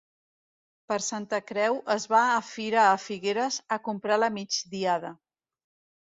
Per Santa Creu es va a fira a Figueres a comprar la migdiada.